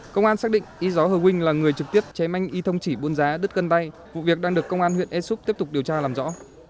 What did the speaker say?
công an xác định y gió hờ huynh là người trực tiếp chế manh y thông chỉ buôn giá đứt cân tay vụ việc đang được công an huyện ea súp tiếp tục điều tra làm rõ